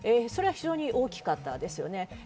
それは非常に大きかったですよね。